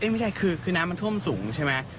ไม่ใช่คือน้ำมันท่วมสูงใช่ไหม